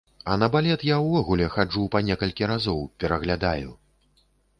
А на балет я ўвогуле хаджу па некалькі разоў, пераглядаю.